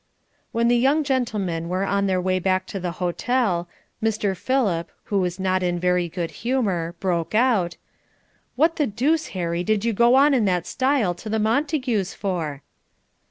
When the young gentlemen were on their way back to the hotel, Mr. Philip, who was not in very good humor, broke out, "What the deuce, Harry, did you go on in that style to the Montagues for?"